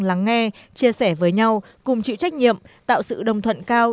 lắng nghe chia sẻ với nhau cùng chịu trách nhiệm tạo sự đồng thuận cao